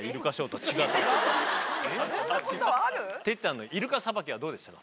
哲ちゃんのイルカさばきはどうでしたか？